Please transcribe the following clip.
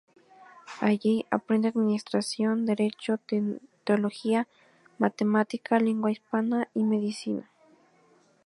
Allí, aprende administración, derecho, teología, matemática, lengua hispana y medicina.